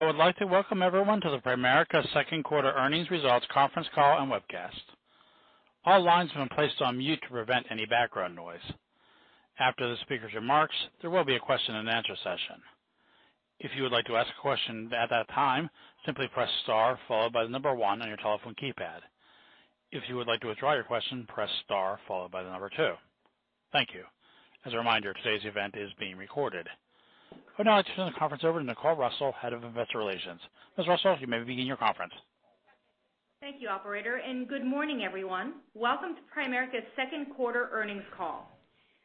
I would like to welcome everyone to the Primerica second quarter earnings results conference call and webcast. All lines have been placed on mute to prevent any background noise. After the speaker's remarks, there will be a question and answer session. If you would like to ask a question at that time, simply press star followed by the number one on your telephone keypad. If you would like to withdraw your question, press star followed by the number two. Thank you. As a reminder, today's event is being recorded. Now I'd like to turn the conference over to Nicole Russell, Head of Investor Relations. Ms. Russell, you may begin your conference. Thank you, operator, and good morning, everyone. Welcome to Primerica's second quarter earnings call.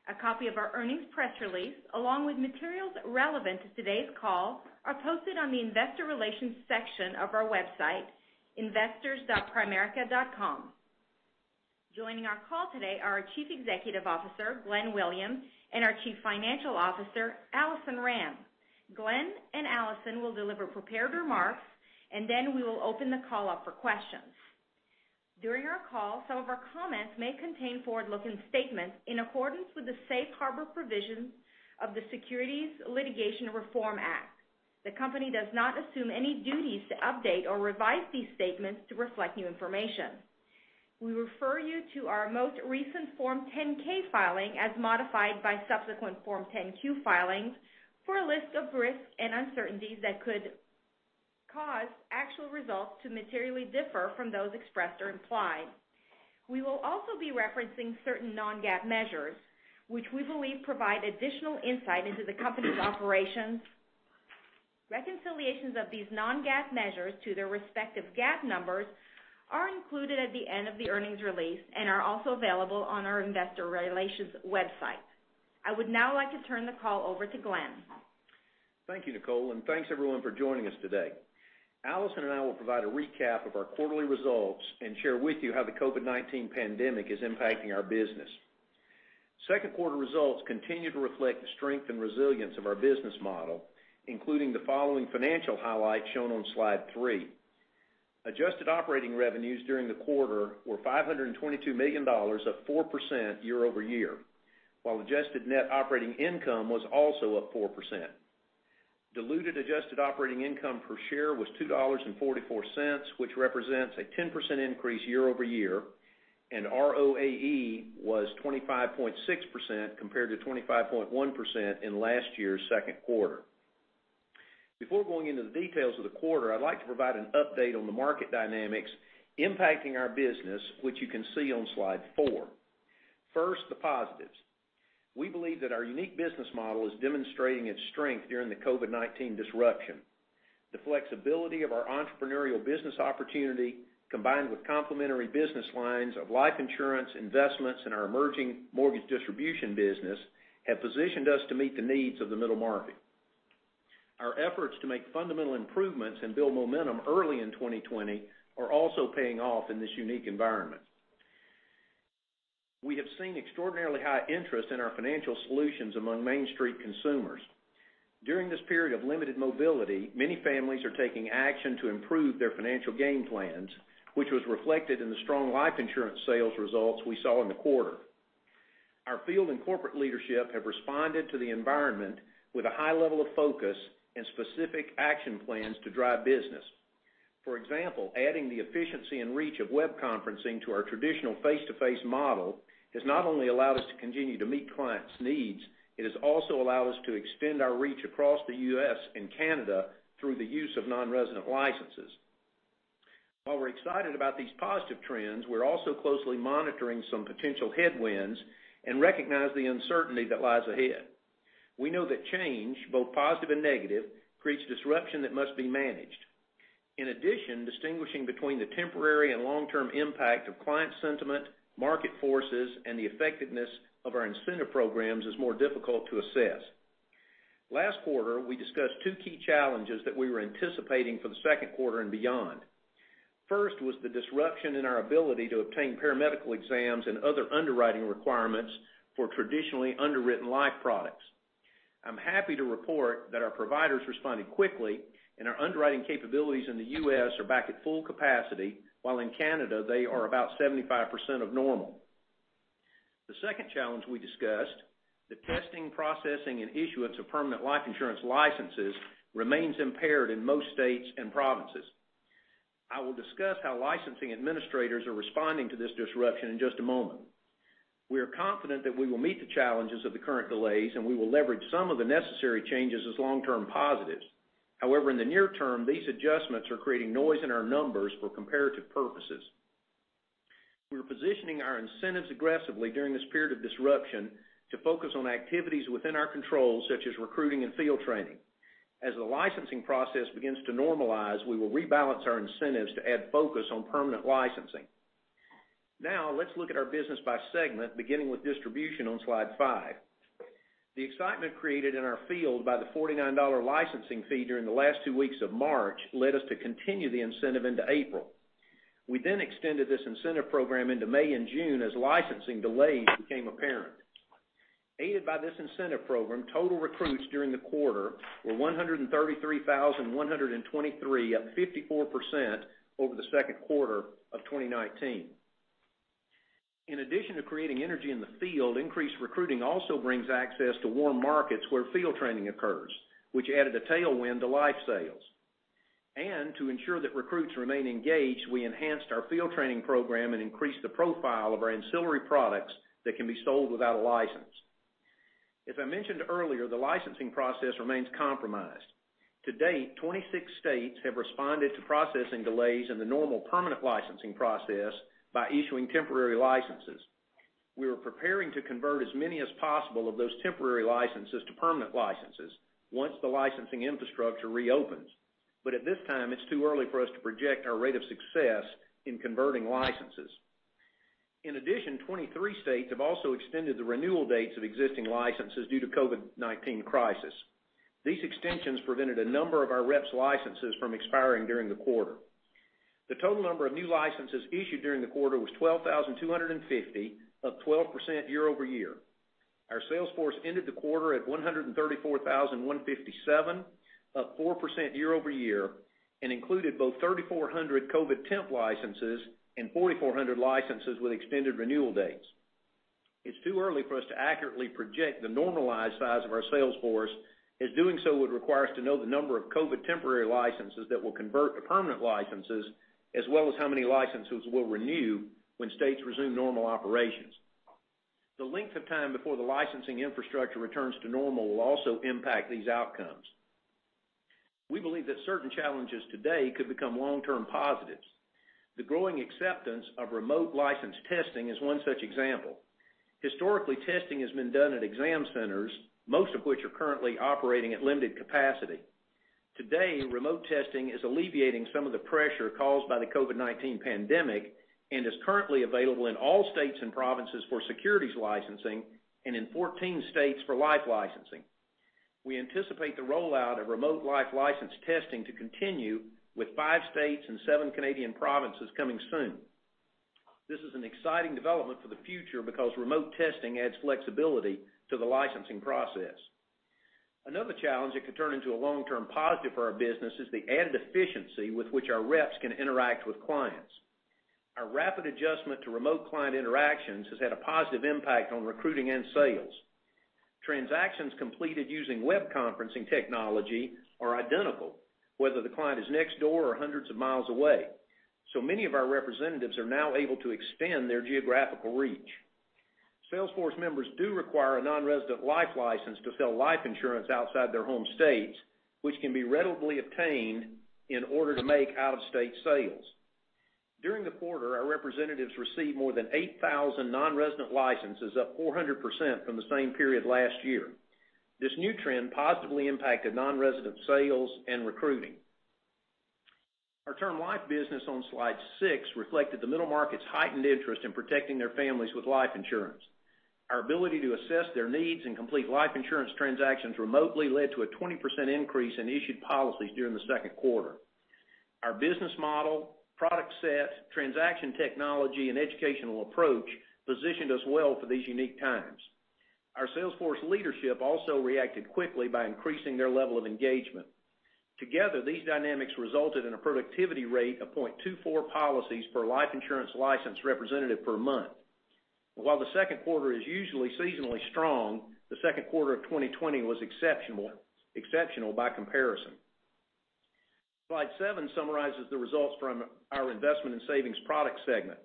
A copy of our earnings press release, along with materials relevant to today's call, are posted on the investor relations section of our website, investors.primerica.com. Joining our call today are our Chief Executive Officer, Glenn Williams, and our Chief Financial Officer, Alison Rand. Glenn and Alison will deliver prepared remarks, and then we will open the call up for questions. During our call, some of our comments may contain forward-looking statements in accordance with the safe harbor provisions of the Securities Litigation Reform Act. The company does not assume any duties to update or revise these statements to reflect new information. We refer you to our most recent Form 10-K filing, as modified by subsequent Form 10-Q filings, for a list of risks and uncertainties that could cause actual results to materially differ from those expressed or implied. We will also be referencing certain non-GAAP measures, which we believe provide additional insight into the company's operations. Reconciliations of these non-GAAP measures to their respective GAAP numbers are included at the end of the earnings release and are also available on our investor relations website. I would now like to turn the call over to Glenn. Thank you, Nicole, and thanks, everyone, for joining us today. Alison and I will provide a recap of our quarterly results and share with you how the COVID-19 pandemic is impacting our business. Second quarter results continue to reflect the strength and resilience of our business model, including the following financial highlights shown on slide three. Adjusted operating revenues during the quarter were $522 million, up 4% year-over-year, while adjusted net operating income was also up 4%. Diluted adjusted operating income per share was $2.44, which represents a 10% increase year-over-year, and ROAE was 25.6% compared to 25.1% in last year's second quarter. Before going into the details of the quarter, I'd like to provide an update on the market dynamics impacting our business, which you can see on slide four. First, the positives. We believe that our unique business model is demonstrating its strength during the COVID-19 disruption. The flexibility of our entrepreneurial business opportunity, combined with complementary business lines of life insurance, investments, and our emerging mortgage distribution business, have positioned us to meet the needs of the middle market. Our efforts to make fundamental improvements and build momentum early in 2020 are also paying off in this unique environment. We have seen extraordinarily high interest in our financial solutions among Main Street consumers. During this period of limited mobility, many families are taking action to improve their financial game plans, which was reflected in the strong life insurance sales results we saw in the quarter. Our field and corporate leadership have responded to the environment with a high level of focus and specific action plans to drive business. For example, adding the efficiency and reach of web conferencing to our traditional face-to-face model has not only allowed us to continue to meet clients' needs, it has also allowed us to extend our reach across the U.S. and Canada through the use of non-resident licenses. While we're excited about these positive trends, we're also closely monitoring some potential headwinds and recognize the uncertainty that lies ahead. We know that change, both positive and negative, creates disruption that must be managed. In addition, distinguishing between the temporary and long-term impact of client sentiment, market forces, and the effectiveness of our incentive programs is more difficult to assess. Last quarter, we discussed two key challenges that we were anticipating for the second quarter and beyond. First was the disruption in our ability to obtain paramedical exams and other underwriting requirements for traditionally underwritten life products. I'm happy to report that our providers responded quickly, and our underwriting capabilities in the U.S. are back at full capacity, while in Canada, they are about 75% of normal. The second challenge we discussed, the testing, processing, and issuance of permanent life insurance licenses, remains impaired in most states and provinces. I will discuss how licensing administrators are responding to this disruption in just a moment. We are confident that we will meet the challenges of the current delays, and we will leverage some of the necessary changes as long-term positives. However, in the near term, these adjustments are creating noise in our numbers for comparative purposes. We are positioning our incentives aggressively during this period of disruption to focus on activities within our control, such as recruiting and field training. As the licensing process begins to normalize, we will rebalance our incentives to add focus on permanent licensing. Now, let's look at our business by segment, beginning with distribution on slide five. The excitement created in our field by the $49 licensing fee during the last two weeks of March led us to continue the incentive into April. We then extended this incentive program into May and June as licensing delays became apparent. Aided by this incentive program, total recruits during the quarter were 133,123, up 54% over the second quarter of 2019. In addition to creating energy in the field, increased recruiting also brings access to warm markets where field training occurs, which added a tailwind to life sales. And to ensure that recruits remain engaged, we enhanced our field training program and increased the profile of our ancillary products that can be sold without a license. As I mentioned earlier, the licensing process remains compromised. To date, 26 states have responded to processing delays in the normal permanent licensing process by issuing temporary licenses. We are preparing to convert as many as possible of those temporary licenses to permanent licenses once the licensing infrastructure reopens. At this time, it's too early for us to project our rate of success in converting licenses. In addition, 23 states have also extended the renewal dates of existing licenses due to COVID-19 crisis. These extensions prevented a number of our reps' licenses from expiring during the quarter. The total number of new licenses issued during the quarter was 12,250, up 12% year-over-year. Our sales force ended the quarter at 134,157, up 4% year-over-year, and included both 3,400 COVID temp licenses and 4,400 licenses with extended renewal dates. It's too early for us to accurately project the normalized size of our sales force, as doing so would require us to know the number of COVID temporary licenses that will convert to permanent licenses, as well as how many licenses we'll renew when states resume normal operations. The length of time before the licensing infrastructure returns to normal will also impact these outcomes. We believe that certain challenges today could become long-term positives. The growing acceptance of remote license testing is one such example. Historically, testing has been done at exam centers, most of which are currently operating at limited capacity. Today, remote testing is alleviating some of the pressure caused by the COVID-19 pandemic and is currently available in all states and provinces for securities licensing and in 14 states for life licensing. We anticipate the rollout of remote life license testing to continue with five states and seven Canadian provinces coming soon. This is an exciting development for the future because remote testing adds flexibility to the licensing process. Another challenge that could turn into a long-term positive for our business is the added efficiency with which our reps can interact with clients. Our rapid adjustment to remote client interactions has had a positive impact on recruiting and sales. Transactions completed using web conferencing technology are identical whether the client is next door or hundreds of miles away. Many of our representatives are now able to extend their geographical reach. Sales force members do require a non-resident life license to sell life insurance outside their home states, which can be readily obtained in order to make out-of-state sales. During the quarter, our representatives received more than 8,000 non-resident licenses, up 400% from the same period last year. This new trend positively impacted non-resident sales and recruiting. Our Term Life business on slide six reflected the middle market's heightened interest in protecting their families with life insurance. Our ability to assess their needs and complete life insurance transactions remotely led to a 20% increase in issued policies during the second quarter. Our business model, product set, transaction technology, and educational approach positioned us well for these unique times. Our sales force leadership also reacted quickly by increasing their level of engagement. Together, these dynamics resulted in a productivity rate of 0.24 policies per life insurance licensed representative per month. While the second quarter is usually seasonally strong, the second quarter of 2020 was exceptional by comparison. Slide seven summarizes the results from our Investment and Savings Products segment.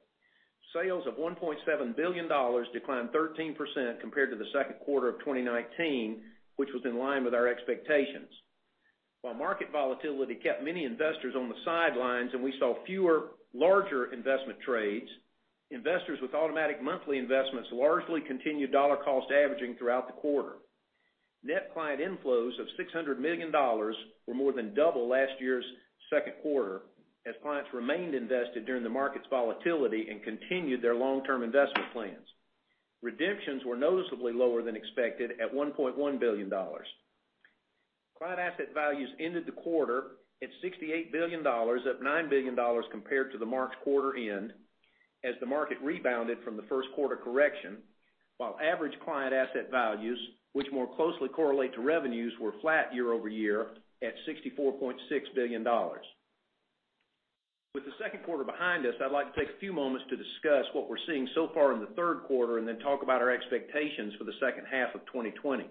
Sales of $1.7 billion declined 13% compared to the second quarter of 2019, which was in line with our expectations. While market volatility kept many investors on the sidelines and we saw fewer larger investment trades, investors with automatic monthly investments largely continued dollar cost averaging throughout the quarter. Net client inflows of $600 million were more than double last year's second quarter, as clients remained invested during the market's volatility and continued their long-term investment plans. Redemptions were noticeably lower than expected at $1.1 billion. Client asset values ended the quarter at $68 billion, up $9 billion compared to the March quarter end, as the market rebounded from the first quarter correction, while average client asset values, which more closely correlate to revenues, were flat year-over-year at $64.6 billion. With the second quarter behind us, I'd like to take a few moments to discuss what we're seeing so far in the third quarter and then talk about our expectations for the second half of 2020.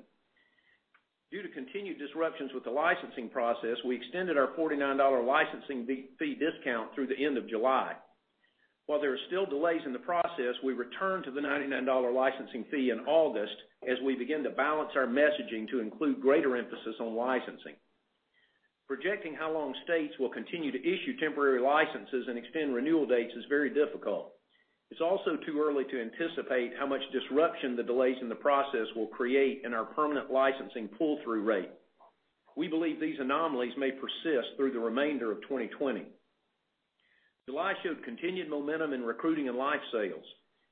Due to continued disruptions with the licensing process, we extended our $49 licensing fee discount through the end of July. While there are still delays in the process, we returned to the $99 licensing fee in August as we begin to balance our messaging to include greater emphasis on licensing. Projecting how long states will continue to issue temporary licenses and extend renewal dates is very difficult. It's also too early to anticipate how much disruption the delays in the process will create in our permanent licensing pull-through rate. We believe these anomalies may persist through the remainder of 2020. July showed continued momentum in recruiting and life sales.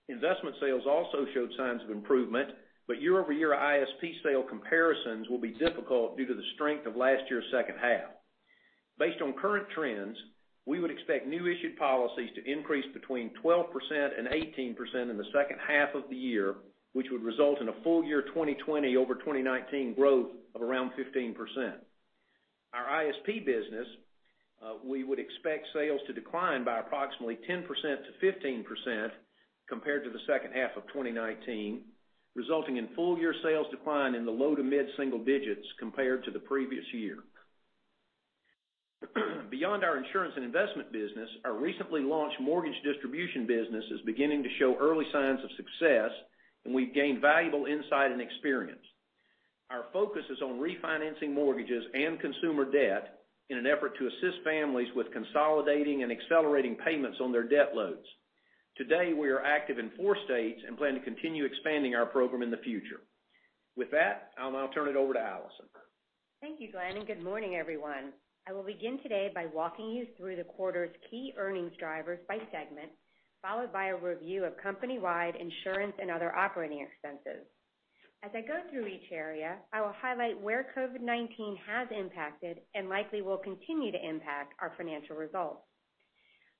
Investment sales also showed signs of improvement. Year-over-year ISP sale comparisons will be difficult due to the strength of last year's second half. Based on current trends, we would expect new issued policies to increase between 12% and 18% in the second half of the year, which would result in a full year 2020 over 2019 growth of around 15%. Our ISP business, we would expect sales to decline by approximately 10% to 15% compared to the second half of 2019, resulting in full year sales decline in the low to mid-single digits compared to the previous year. Beyond our insurance and investment business, our recently launched mortgage distribution business is beginning to show early signs of success, and we've gained valuable insight and experience. Our focus is on refinancing mortgages and consumer debt in an effort to assist families with consolidating and accelerating payments on their debt loads. Today, we are active in four states and plan to continue expanding our program in the future. With that, I'll now turn it over to Alison. Thank you, Glenn, and good morning, everyone. I will begin today by walking you through the quarter's key earnings drivers by segment, followed by a review of company-wide insurance and other operating expenses. As I go through each area, I will highlight where COVID-19 has impacted and likely will continue to impact our financial results.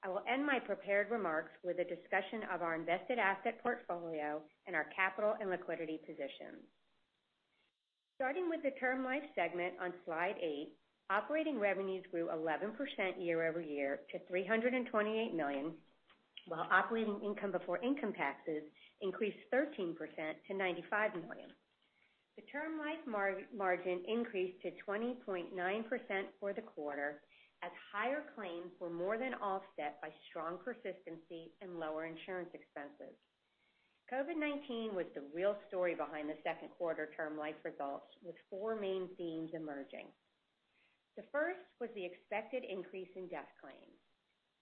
I will end my prepared remarks with a discussion of our invested asset portfolio and our capital and liquidity positions. Starting with the Term Life segment on slide eight, operating revenues grew 11% year-over-year to $328 million, while operating income before income taxes increased 13% to $95 million. The Term Life margin increased to 20.9% for the quarter as higher claims were more than offset by strong persistency and lower insurance expenses. COVID-19 was the real story behind the second quarter Term Life results, with four main themes emerging. The first was the expected increase in death claims.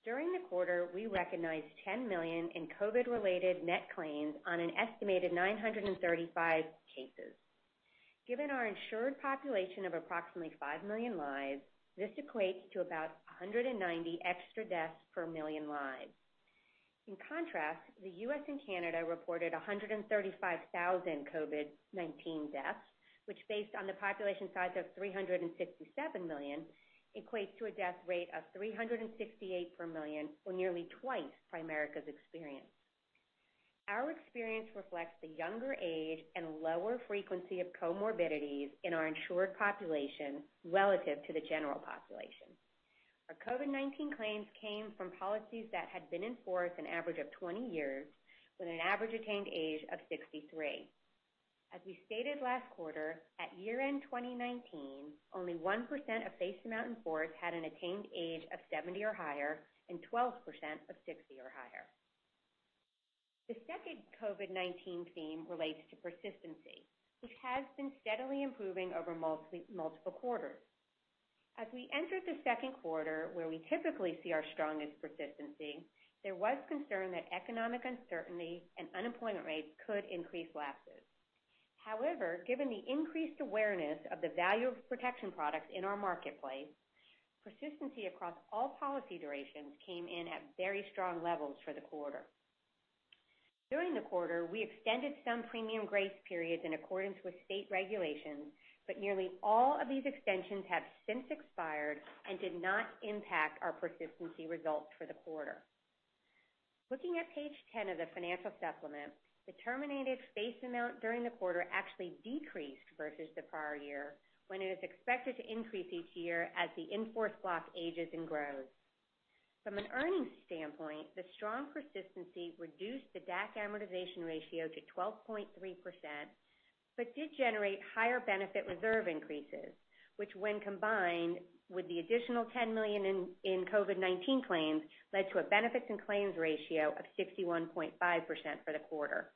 During the quarter, we recognized $10 million in COVID-related net claims on an estimated 935 cases. Given our insured population of approximately five million lives, this equates to about 190 extra deaths per million lives. In contrast, the U.S. and Canada reported 135,000 COVID-19 deaths, which, based on the population size of 367 million, equates to a death rate of 368 per million or nearly twice Primerica's experience. Our experience reflects the younger age and lower frequency of comorbidities in our insured population relative to the general population. Our COVID-19 claims came from policies that had been in force an average of 20 years, with an average attained age of 63. As we stated last quarter, at year-end 2019, only 1% of face amount force had an attained age of 70 or higher and 12% of 60 or higher. The second COVID-19 theme relates to persistency, which has been steadily improving over multiple quarters. As we entered the second quarter, where we typically see our strongest persistency, there was concern that economic uncertainty and unemployment rates could increase lapses. However, given the increased awareness of the value of protection products in our marketplace, persistency across all policy durations came in at very strong levels for the quarter. During the quarter, we extended some premium grace periods in accordance with state regulations, but nearly all of these extensions have since expired and did not impact our persistency results for the quarter. Looking at page 10 of the financial supplement, the terminated face amount during the quarter actually decreased versus the prior year, when it is expected to increase each year as the in-force block ages and grows. From an earnings standpoint, the strong persistency reduced the DAC amortization ratio to 12.3% but did generate higher benefit reserve increases, which when combined with the additional $10 million in COVID-19 claims, led to a benefits and claims ratio of 61.5% for the quarter.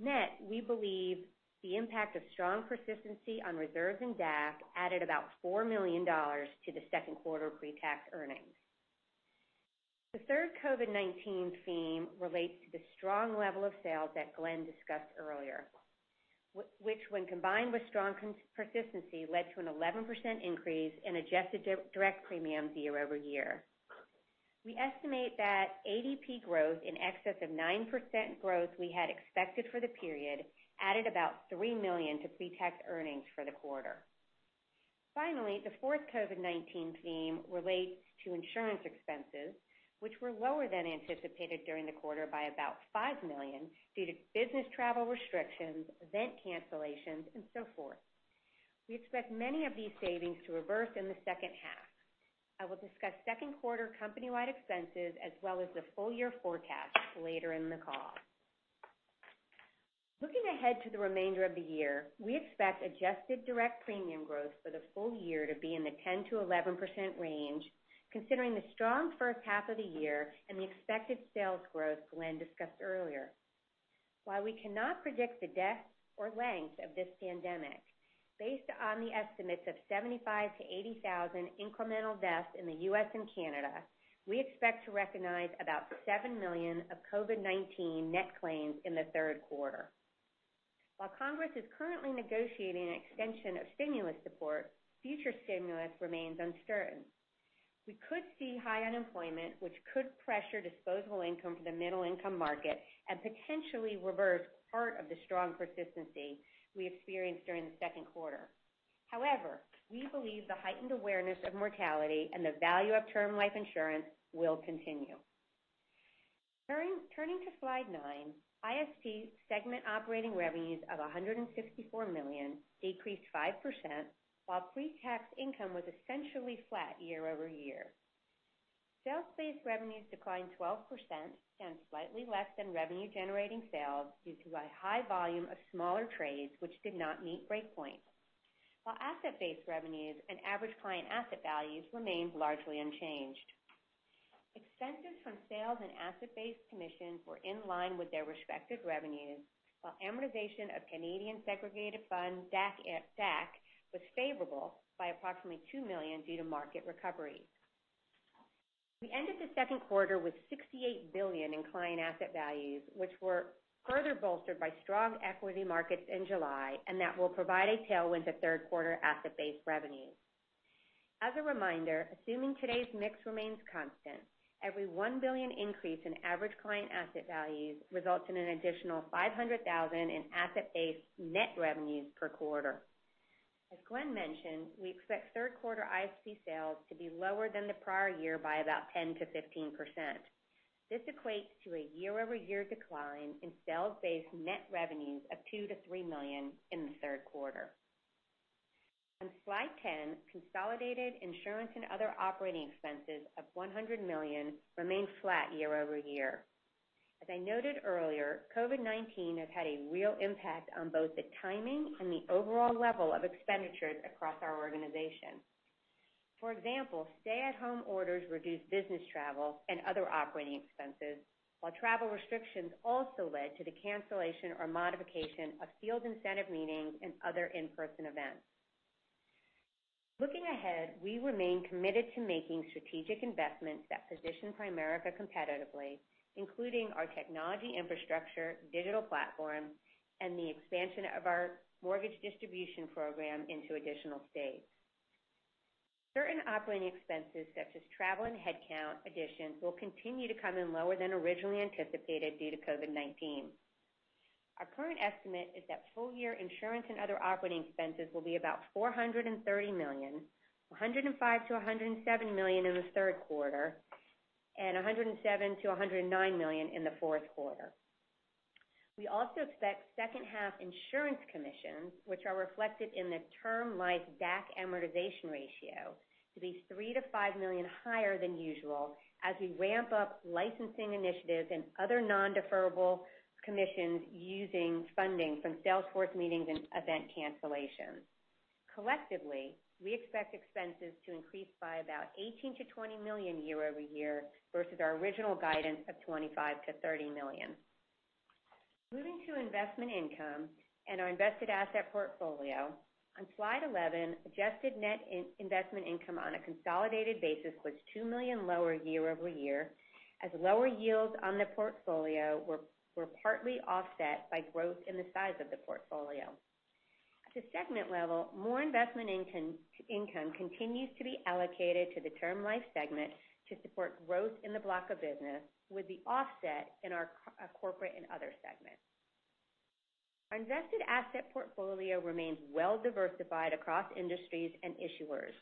Net, we believe the impact of strong persistency on reserves and DAC added about $4 million to the second quarter pre-tax earnings. The third COVID-19 theme relates to the strong level of sales that Glenn discussed earlier, which when combined with strong persistency, led to an 11% increase in adjusted direct premiums year-over-year. We estimate that ADP growth in excess of 9% growth we had expected for the period added about $3 million to pre-tax earnings for the quarter. Finally, the fourth COVID-19 theme relates to insurance expenses, which were lower than anticipated during the quarter by about $5 million due to business travel restrictions, event cancellations, and so forth. We expect many of these savings to reverse in the second half. I will discuss second quarter company-wide expenses as well as the full-year forecast later in the call. Looking ahead to the remainder of the year, we expect adjusted direct premium growth for the full year to be in the 10%-11% range, considering the strong first half of the year and the expected sales growth Glenn discussed earlier. While we cannot predict the death or length of this pandemic, based on the estimates of 75,000-80,000 incremental deaths in the U.S. and Canada, we expect to recognize about $7 million of COVID-19 net claims in the third quarter. Congress is currently negotiating an extension of stimulus support, future stimulus remains uncertain. We could see high unemployment, which could pressure disposable income for the middle-income market and potentially reverse part of the strong persistency we experienced during the second quarter. However, we believe the heightened awareness of mortality and the value of Term Life insurance will continue. Turning to slide 9, ISP segment operating revenues of $164 million decreased 5%, while pre-tax income was essentially flat year-over-year. Sales-based revenues declined 12%, and slightly less than revenue-generating sales due to a high volume of smaller trades which did not meet breakpoints. While asset-based revenues and average client asset values remained largely unchanged. Expenses from sales and asset-based commissions were in line with their respective revenues, while amortization of Canadian segregated fund DAC was favorable by approximately $2 million due to market recovery. We ended the second quarter with $68 billion in client asset values, which were further bolstered by strong equity markets in July, and that will provide a tailwind to third-quarter asset-based revenues. As a reminder, assuming today's mix remains constant, every $1 billion increase in average client asset values results in an additional $500,000 in asset-based net revenues per quarter. As Glenn mentioned, we expect third quarter ISP sales to be lower than the prior year by about 10%-15%. This equates to a year-over-year decline in sales-based net revenues of $2 million-$3 million in the third quarter. On slide 10, consolidated insurance and other operating expenses of $100 million remained flat year-over-year. As I noted earlier, COVID-19 has had a real impact on both the timing and the overall level of expenditures across our organization. For example, stay-at-home orders reduced business travel and other operating expenses, while travel restrictions also led to the cancellation or modification of field incentive meetings and other in-person events. Looking ahead, we remain committed to making strategic investments that position Primerica competitively, including our technology infrastructure, digital platform, and the expansion of our mortgage distribution program into additional states. Certain operating expenses such as travel and headcount additions will continue to come in lower than originally anticipated due to COVID-19. Our current estimate is that full-year insurance and other operating expenses will be about $430 million, $105 million-$107 million in the third quarter, and $107 million-$109 million in the fourth quarter. We also expect second half insurance commissions, which are reflected in the Term Life DAC amortization ratio, to be $3 million-$5 million higher than usual as we ramp up licensing initiatives and other non-deferrable commissions using funding from sales force meetings and event cancellations. Collectively, we expect expenses to increase by about $18 million-$20 million year-over-year versus our original guidance of $25 million-$30 million. Moving to investment income and our invested asset portfolio. On slide 11, adjusted net investment income on a consolidated basis was $2 million lower year-over-year, as lower yields on the portfolio were partly offset by growth in the size of the portfolio. At a segment level, more investment income continues to be allocated to the Term Life segment to support growth in the block of business with the offset in our corporate and other segments. Our invested asset portfolio remains well-diversified across industries and issuers.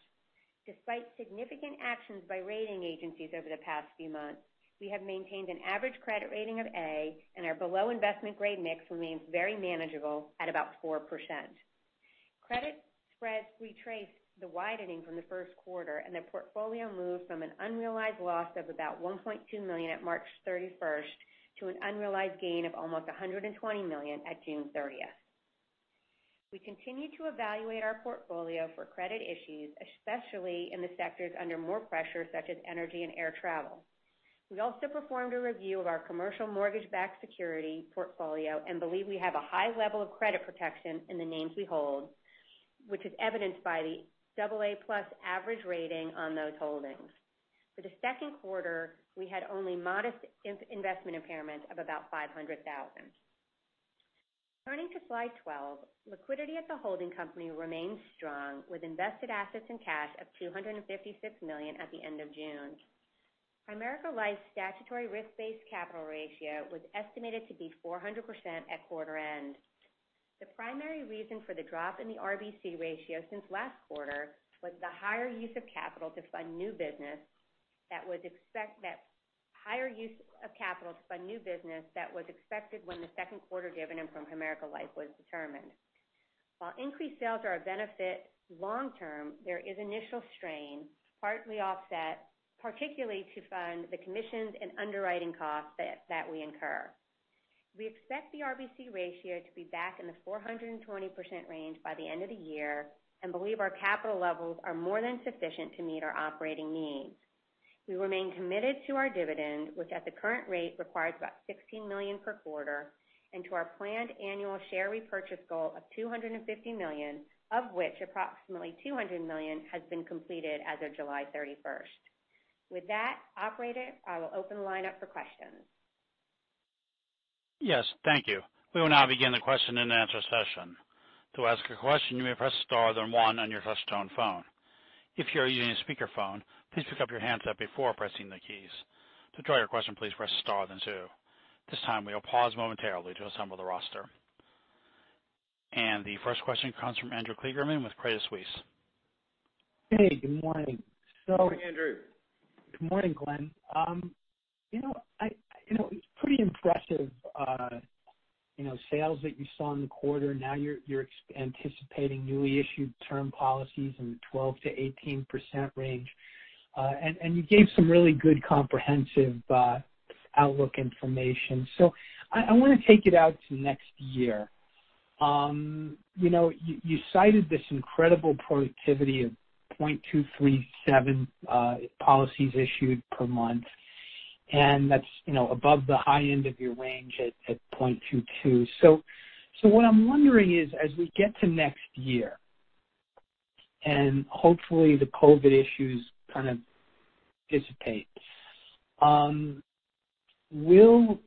Despite significant actions by rating agencies over the past few months, we have maintained an average credit rating of A, and our below investment grade mix remains very manageable at about 4%. Credit spreads retraced the widening from the first quarter, and the portfolio moved from an unrealized loss of about $1.2 million at March 31st to an unrealized gain of almost $120 million at June 30th. We continue to evaluate our portfolio for credit issues, especially in the sectors under more pressure, such as energy and air travel. We also performed a review of our commercial mortgage-backed security portfolio and believe we have a high level of credit protection in the names we hold, which is evidenced by the double A plus average rating on those holdings. For the second quarter, we had only modest investment impairment of about $500,000. Turning to slide 12, liquidity at the holding company remains strong, with invested assets and cash of $256 million at the end of June. Primerica Life's statutory risk-based capital ratio was estimated to be 400% at quarter end. The primary reason for the drop in the RBC ratio since last quarter was the higher use of capital to fund new business that was expected when the second quarter dividend from Primerica Life was determined. While increased sales are a benefit long-term, there is initial strain, partly offset particularly to fund the commissions and underwriting costs that we incur. We expect the RBC ratio to be back in the 420% range by the end of the year and believe our capital levels are more than sufficient to meet our operating needs. We remain committed to our dividend, which at the current rate requires about $16 million per quarter, and to our planned annual share repurchase goal of $250 million, of which approximately $200 million has been completed as of July 31st. With that, operator, I will open the line up for questions. Yes. Thank you. We will now begin the question and answer session. To ask a question, you may press star, then one on your touchtone phone. If you are using a speakerphone, please pick up your handset before pressing the keys. To withdraw your question, please press star, then two. This time we will pause momentarily to assemble the roster. The first question comes from Andrew Kligerman with Credit Suisse. Hey, good morning. Morning, Andrew. Good morning, Glenn. It's pretty impressive sales that you saw in the quarter. Now you're anticipating newly issued term policies in the 12%-18% range. You gave some really good comprehensive outlook information. I want to take it out to next year. You cited this incredible productivity of 0.237 policies issued per month, and that's above the high end of your range at 0.22. What I'm wondering is, as we get to next year, and hopefully the COVID-19 issues kind of dissipate, will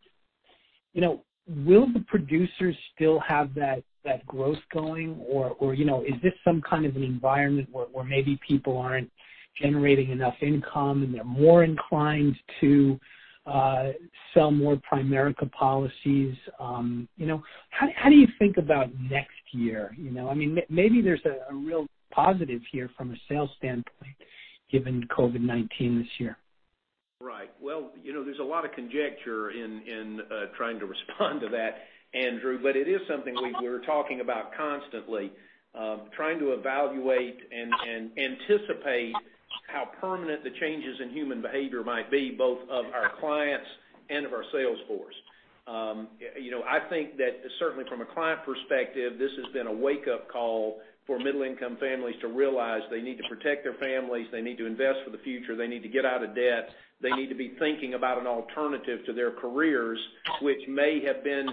the producers still have that growth going? Or is this some kind of an environment where maybe people aren't generating enough income and they're more inclined to sell more Primerica policies? How do you think about next year? Maybe there's a real positive here from a sales standpoint given COVID-19 this year. Right. Well, there's a lot of conjecture in trying to respond to that, Andrew, but it is something we're talking about constantly, trying to evaluate and anticipate how permanent the changes in human behavior might be, both of our clients and of our sales force. I think that certainly from a client perspective, this has been a wake-up call for middle-income families to realize they need to protect their families, they need to invest for the future, they need to get out of debt, they need to be thinking about an alternative to their careers, which may have been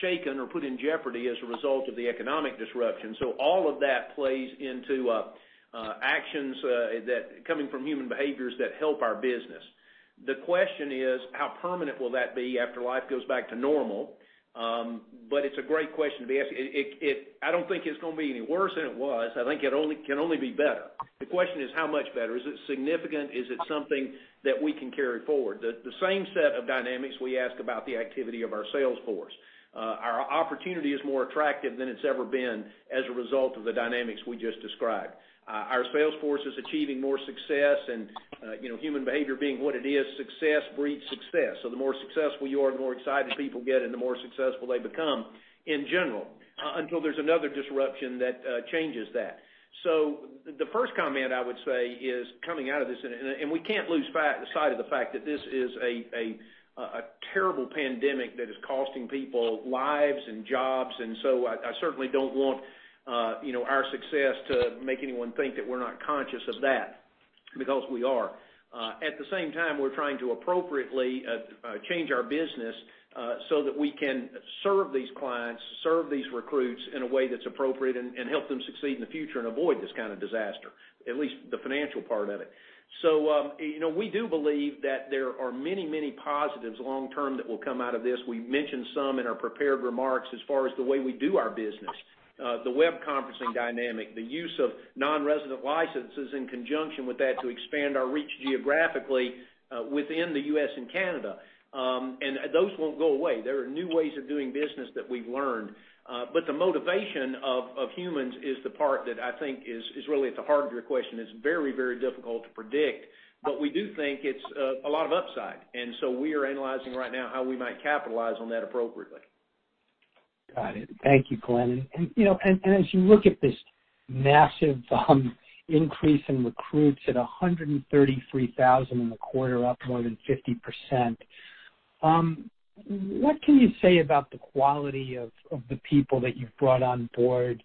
shaken or put in jeopardy as a result of the economic disruption. All of that plays into actions coming from human behaviors that help our business. The question is how permanent will that be after life goes back to normal? It's a great question to be asking. I don't think it's going to be any worse than it was. I think it can only be better. The question is how much better? Is it significant? Is it something that we can carry forward? The same set of dynamics we ask about the activity of our sales force. Our opportunity is more attractive than it's ever been as a result of the dynamics we just described. Our sales force is achieving more success and human behavior being what it is, success breeds success. The more successful you are, the more excited people get, and the more successful they become in general, until there's another disruption that changes that. The first comment I would say is coming out of this, and we can't lose sight of the fact that this is a terrible pandemic that is costing people lives and jobs, and so I certainly don't want our success to make anyone think that we're not conscious of that, because we are. At the same time, we're trying to appropriately change our business so that we can serve these clients, serve these recruits in a way that's appropriate and help them succeed in the future and avoid this kind of disaster, at least the financial part of it. We do believe that there are many, many positives long-term that will come out of this. We mentioned some in our prepared remarks as far as the way we do our business. The web conferencing dynamic, the use of non-resident licenses in conjunction with that to expand our reach geographically within the U.S. and Canada. Those won't go away. There are new ways of doing business that we've learned. The motivation of humans is the part that I think is really at the heart of your question, is very difficult to predict. We do think it's a lot of upside, and so we are analyzing right now how we might capitalize on that appropriately. Got it. Thank you, Glenn. As you look at this massive increase in recruits at 133,000 in the quarter, up more than 50%, what can you say about the quality of the people that you've brought on board?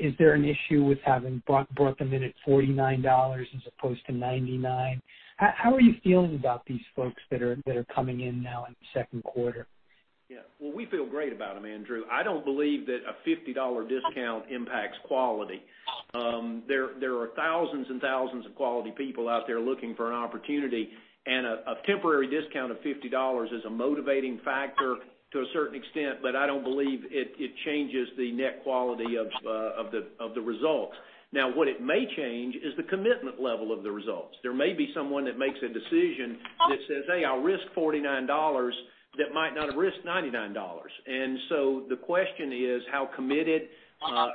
Is there an issue with having brought them in at $49 as opposed to $99? How are you feeling about these folks that are coming in now in the second quarter? Well, we feel great about them, Andrew. I don't believe that a $50 discount impacts quality. There are thousands and thousands of quality people out there looking for an opportunity, and a temporary discount of $50 is a motivating factor to a certain extent, but I don't believe it changes the net quality of the results. Now, what it may change is the commitment level of the results. There may be someone that makes a decision that says, "Hey, I'll risk $49," that might not have risked $99. The question is how committed,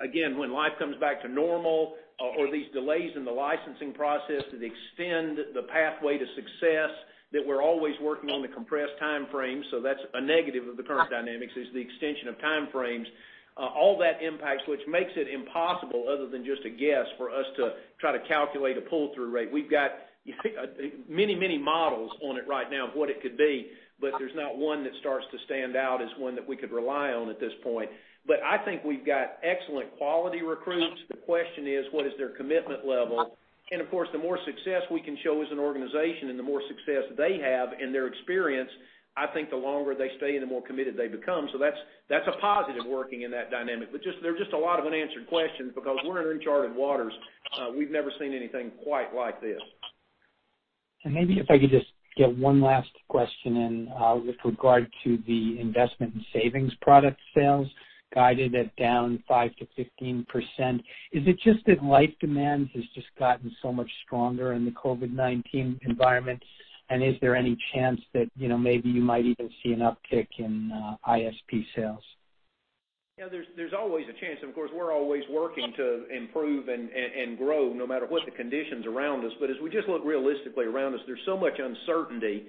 again, when life comes back to normal or these delays in the licensing process that extend the pathway to success, that we're always working on the compressed timeframe, that's a negative of the current dynamics is the extension of timeframes. All that impacts, which makes it impossible other than just a guess for us to try to calculate a pull-through rate. We've got many models on it right now of what it could be, there's not one that starts to stand out as one that we could rely on at this point. I think we've got excellent quality recruits. The question is, what is their commitment level? Of course, the more success we can show as an organization and the more success they have in their experience, I think the longer they stay and the more committed they become. That's a positive working in that dynamic. There are just a lot of unanswered questions because we're in uncharted waters. We've never seen anything quite like this. Maybe if I could just get one last question in with regard to the Investment and Savings Products sales, guided at down 5%-15%. Is it just that life demands has just gotten so much stronger in the COVID-19 environment, is there any chance that maybe you might even see an uptick in ISP sales? Yeah, there's always a chance, of course, we're always working to improve and grow no matter what the conditions around us. As we just look realistically around us, there's so much uncertainty,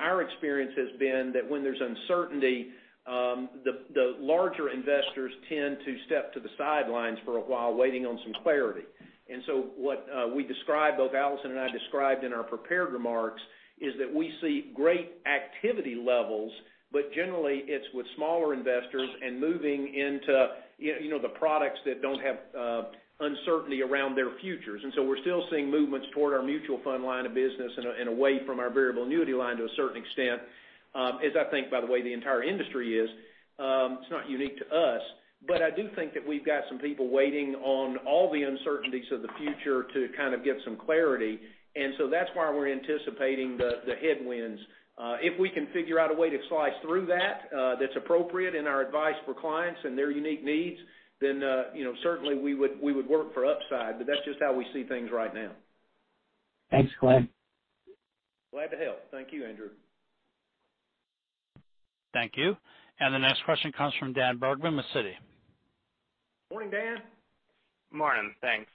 our experience has been that when there's uncertainty, the larger investors tend to step to the sidelines for a while, waiting on some clarity. What both Alison and I described in our prepared remarks is that we see great activity levels, generally, it's with smaller investors and moving into the products that don't have uncertainty around their futures. We're still seeing movements toward our mutual fund line of business and away from our variable annuity line to a certain extent, as I think, by the way, the entire industry is. It's not unique to us. I do think that we've got some people waiting on all the uncertainties of the future to kind of get some clarity. That's why we're anticipating the headwinds. If we can figure out a way to slice through that that's appropriate in our advice for clients and their unique needs, then certainly we would work for upside. That's just how we see things right now. Thanks, Glenn. Glad to help. Thank you, Andrew. Thank you. The next question comes from Daniel Bergman with Citi. Morning, Dan. Morning. Thanks.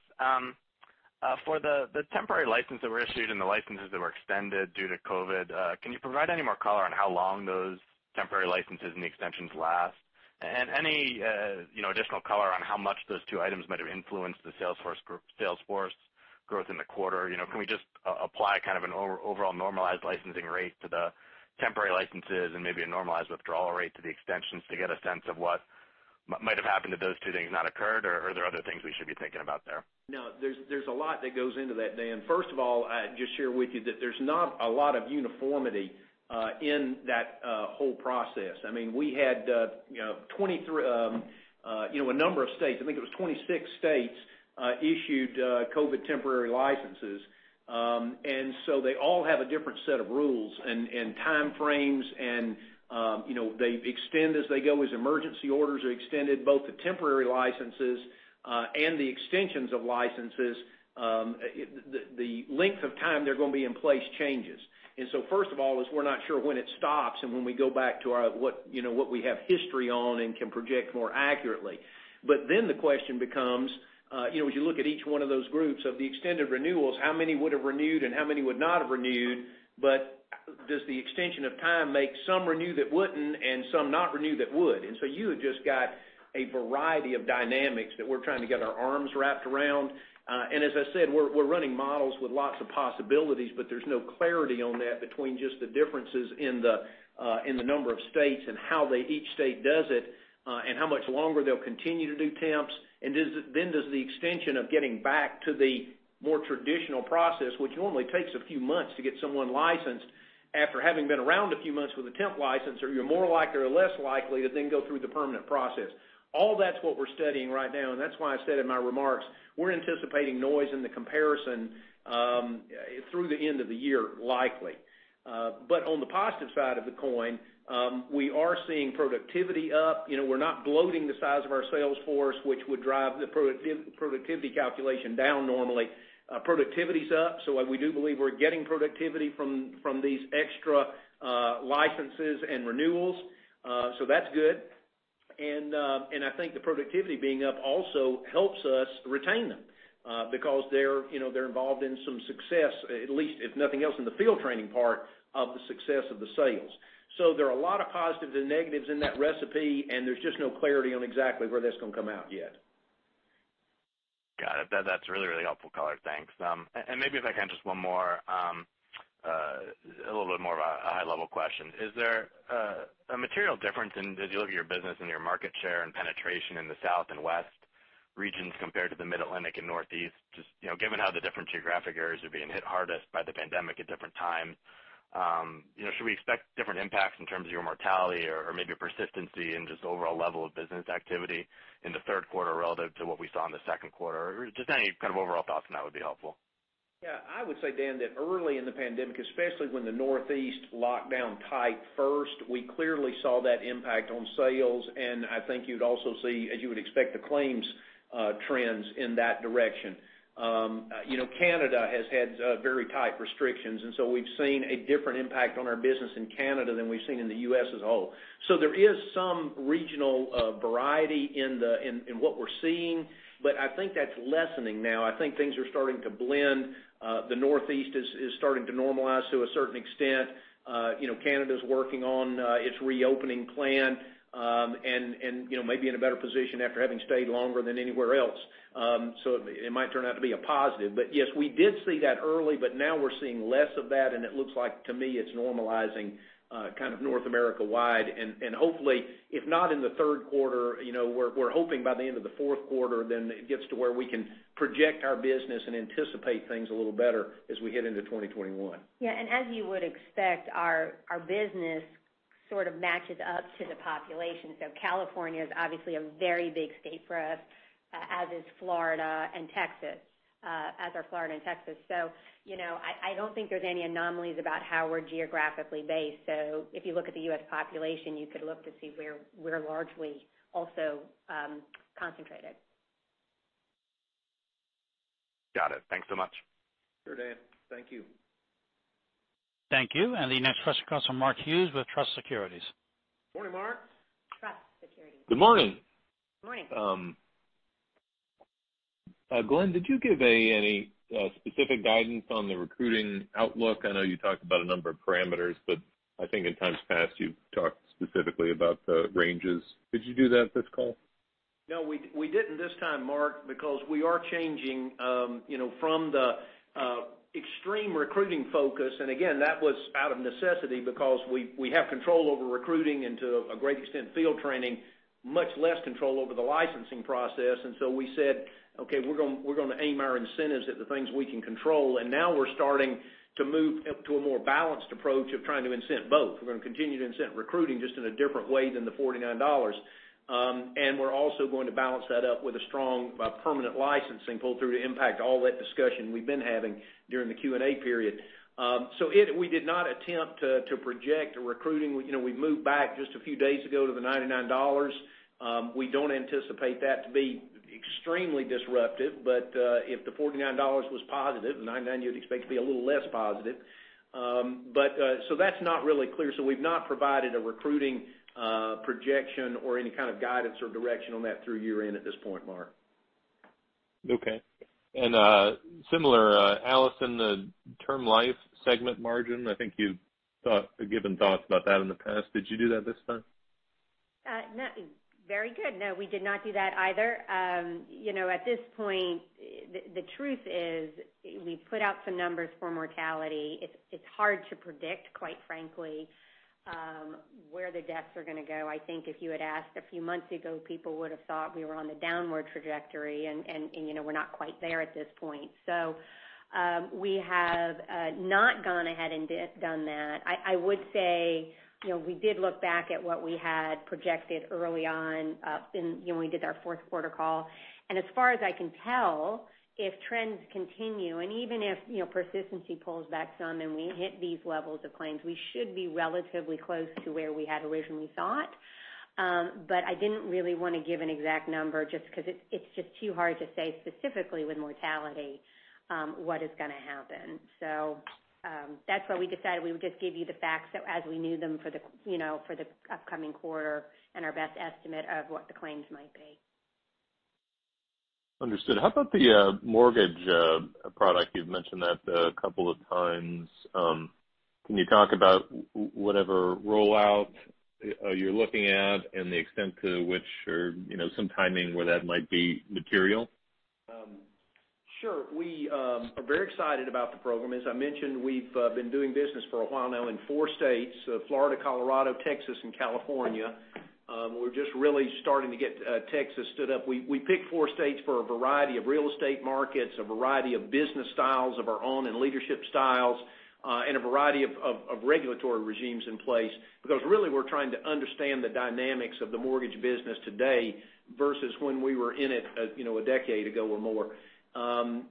For the temporary license that were issued and the licenses that were extended due to COVID, can you provide any more color on how long those temporary licenses and the extensions last? Any additional color on how much those two items might have influenced the sales force growth in the quarter? Can we just apply kind of an overall normalized licensing rate to the temporary licenses and maybe a normalized withdrawal rate to the extensions to get a sense of what might have happened if those two things had not occurred? Are there other things we should be thinking about there? No, there's a lot that goes into that, Dan. First of all, I'd just share with you that there's not a lot of uniformity in that whole process. We had a number of states, I think it was 26 states, issued COVID temporary licenses. They all have a different set of rules and time frames, and they extend as they go, as emergency orders are extended, both the temporary licenses and the extensions of licenses. The length of time they're going to be in place changes. First of all is we're not sure when it stops and when we go back to what we have history on and can project more accurately. The question becomes, as you look at each one of those groups of the extended renewals, how many would have renewed and how many would not have renewed? Does the extension of time make some renew that wouldn't and some not renew that would? You have just got a variety of dynamics that we're trying to get our arms wrapped around. As I said, we're running models with lots of possibilities, but there's no clarity on that between just the differences in the number of states and how each state does it, and how much longer they'll continue to do temps. Does the extension of getting back to the more traditional process, which normally takes a few months to get someone licensed after having been around a few months with a temp license, are you more likely or less likely to then go through the permanent process? That's what we're studying right now. That's why I said in my remarks, we're anticipating noise in the comparison through the end of the year, likely. On the positive side of the coin, we are seeing productivity up. We're not bloating the size of our sales force, which would drive the productivity calculation down normally. Productivity's up, we do believe we're getting productivity from these extra licenses and renewals. That's good. I think the productivity being up also helps us retain them because they're involved in some success, at least, if nothing else, in the field training part of the success of the sales. There are a lot of positives and negatives in that recipe, and there's just no clarity on exactly where that's going to come out yet. Got it. That's really helpful color. Thanks. Maybe if I can, just one more. A little bit more of a high-level question. Is there a material difference as you look at your business and your market share and penetration in the South and West regions compared to the Mid-Atlantic and Northeast? Given how the different geographic areas are being hit hardest by the pandemic at different times, should we expect different impacts in terms of your mortality or maybe persistency and just overall level of business activity in the third quarter relative to what we saw in the second quarter? Any kind of overall thoughts on that would be helpful. Yeah. I would say, Dan, that early in the pandemic, especially when the Northeast locked down tight first, we clearly saw that impact on sales. I think you'd also see, as you would expect, the claims trends in that direction. Canada has had very tight restrictions. We've seen a different impact on our business in Canada than we've seen in the U.S. as a whole. There is some regional variety in what we're seeing. I think that's lessening now. I think things are starting to blend. The Northeast is starting to normalize to a certain extent. Canada's working on its reopening plan, may be in a better position after having stayed longer than anywhere else. It might turn out to be a positive. Yes, we did see that early. Now we're seeing less of that. It looks like to me, it's normalizing kind of North America wide. Hopefully, if not in the third quarter, we're hoping by the end of the fourth quarter, then it gets to where we can project our business and anticipate things a little better as we head into 2021. As you would expect, our business sort of matches up to the population. California is obviously a very big state for us, as are Florida and Texas. I don't think there's any anomalies about how we're geographically based. If you look at the U.S. population, you could look to see where we're largely also concentrated. Got it. Thanks so much. Sure, Dan. Thank you. Thank you. The next question comes from Mark Hughes with Truist Securities. Morning, Mark. Truist Securities. Good morning. Morning. Glenn, did you give any specific guidance on the recruiting outlook? I know you talked about a number of parameters, but I think in times past, you've talked specifically about the ranges. Did you do that this call? No, we didn't this time, Mark, because we are changing from the extreme recruiting focus. Again, that was out of necessity because we have control over recruiting and to a great extent, field training, much less control over the licensing process. We said, "Okay, we're going to aim our incentives at the things we can control." Now we're starting to move to a more balanced approach of trying to incent both. We're going to continue to incent recruiting, just in a different way than the $49. We're also going to balance that up with a strong permanent licensing pull through to impact all that discussion we've been having during the Q&A period. We did not attempt to project recruiting. We moved back just a few days ago to the $99. We don't anticipate that to be extremely disruptive, if the $49 was positive, $99 you'd expect to be a little less positive. That's not really clear. We've not provided a recruiting projection or any kind of guidance or direction on that through year-end at this point, Mark. Okay. Similar, Alison, the Term Life segment margin, I think you've given thoughts about that in the past. Did you do that this time? Very good. No, we did not do that either. At this point, the truth is we put out some numbers for mortality. It's hard to predict, quite frankly, where the deaths are going to go. I think if you had asked a few months ago, people would have thought we were on the downward trajectory, and we're not quite there at this point. We have not gone ahead and done that. I would say, we did look back at what we had projected early on when we did our fourth quarter call. As far as I can tell, if trends continue, and even if persistency pulls back some and we hit these levels of claims, we should be relatively close to where we had originally thought. I didn't really want to give an exact number just because it's just too hard to say specifically with mortality, what is going to happen. That's why we decided we would just give you the facts as we knew them for the upcoming quarter and our best estimate of what the claims might be. Understood. How about the mortgage product? You've mentioned that a couple of times. Can you talk about whatever rollout you're looking at and the extent to which, or some timing where that might be material? Sure. We are very excited about the program. As I mentioned, we've been doing business for a while now in four states, Florida, Colorado, Texas, and California. We're just really starting to get Texas stood up. We picked four states for a variety of real estate markets, a variety of business styles of our own and leadership styles, and a variety of regulatory regimes in place, because really, we're trying to understand the dynamics of the mortgage business today versus when we were in it a decade ago or more.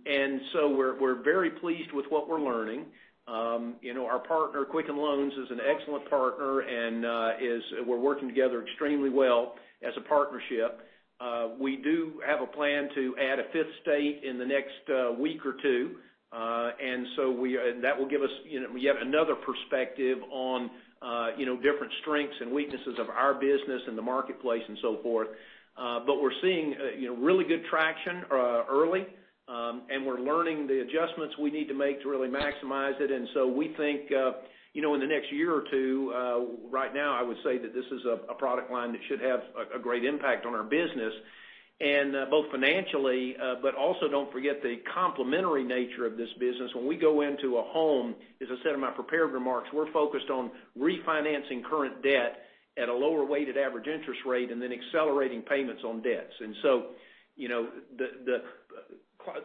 We're very pleased with what we're learning. Our partner, Quicken Loans, is an excellent partner, and we're working together extremely well as a partnership. We do have a plan to add a fifth state in the next week or two. That will give us yet another perspective on different strengths and weaknesses of our business in the marketplace and so forth. We're seeing really good traction early. We're learning the adjustments we need to make to really maximize it. We think, in the next year or two, right now, I would say that this is a product line that should have a great impact on our business, both financially, but also don't forget the complementary nature of this business. When we go into a home, as I said in my prepared remarks, we're focused on refinancing current debt at a lower weighted average interest rate and then accelerating payments on debts.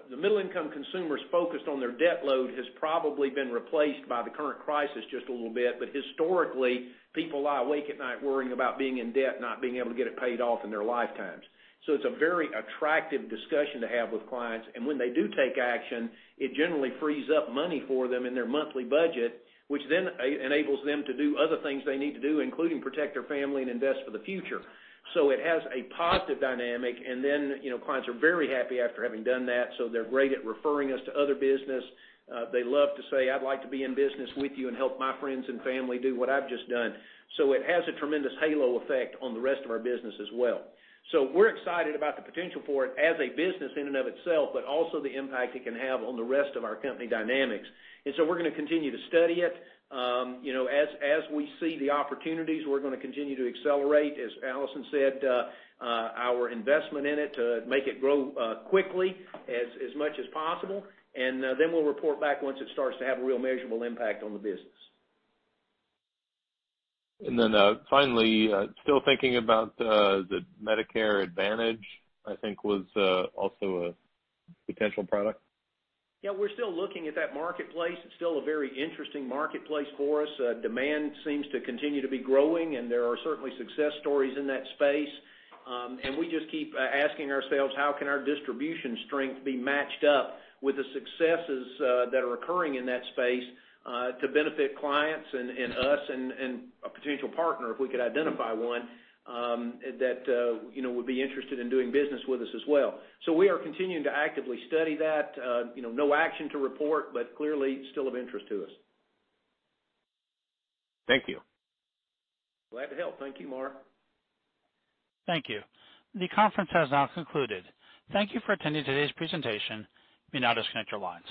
The middle income consumers focused on their debt load has probably been replaced by the current crisis just a little bit. Historically, people lie awake at night worrying about being in debt, not being able to get it paid off in their lifetimes. It's a very attractive discussion to have with clients. When they do take action, it generally frees up money for them in their monthly budget, which then enables them to do other things they need to do, including protect their family and invest for the future. It has a positive dynamic, clients are very happy after having done that. They're great at referring us to other business. They love to say, "I'd like to be in business with you and help my friends and family do what I've just done." It has a tremendous halo effect on the rest of our business as well. We're excited about the potential for it as a business in and of itself, but also the impact it can have on the rest of our company dynamics. We're going to continue to study it. As we see the opportunities, we're going to continue to accelerate, as Alison said, our investment in it to make it grow quickly as much as possible, we'll report back once it starts to have a real measurable impact on the business. Finally, still thinking about the Medicare Advantage, I think was also a potential product. Yeah, we're still looking at that marketplace. It's still a very interesting marketplace for us. Demand seems to continue to be growing, and there are certainly success stories in that space. We just keep asking ourselves, how can our distribution strength be matched up with the successes that are occurring in that space to benefit clients and us and a potential partner, if we could identify one that would be interested in doing business with us as well. We are continuing to actively study that. No action to report, but clearly still of interest to us. Thank you. Glad to help. Thank you, Mark. Thank you. The conference has now concluded. Thank you for attending today's presentation. You may now disconnect your lines.